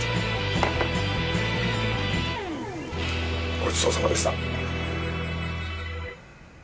ごちそうさまでした。